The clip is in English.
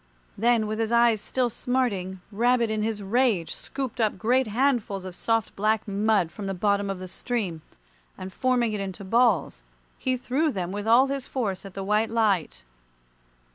Then, with his eyes still smarting, Rabbit in his rage scooped up great handfuls of soft black mud from the bottom of the stream, and forming it into balls, he threw them with all his force at the white light.